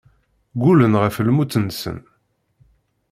Ggullen ɣef lmut-nsen.